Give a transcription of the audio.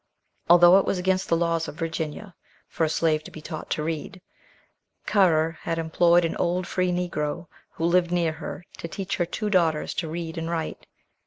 Although it was against the laws of Virginia, for a slave to be taught to read, Currer had employed an old free Negro, who lived near her, to teach her two daughters to read and write.